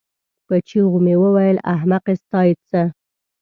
په چيغو مې وویل: احمقې ستا یې څه؟